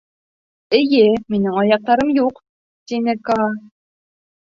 — Эйе, минең аяҡтарым юҡ, — тине Каа.